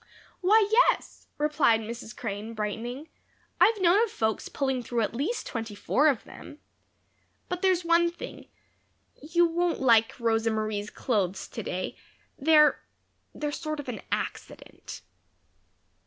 "Why, yes," replied Mrs. Crane, brightening. "I've known of folks pulling through at least twenty four of them. But there's one thing. You won't like Rosa Marie's clothes to day. They're they're sort of an accident."